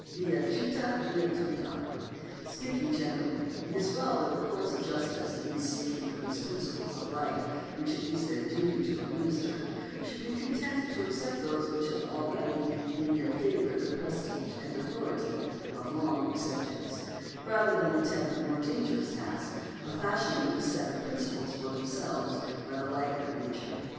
Via trita via tuta. Speaking generally, it is well that the courts of justice, in seeking for those principles of right which it is their duty to administer, should be content to accept those which have already in their favour the prestige and authority of long acceptance, rather than attempt the more dangerous task of fashioning a set of principles for themselves by the light of nature.